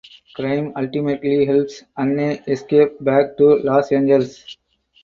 Grime ultimately helps Anne escape back to Los Angeles.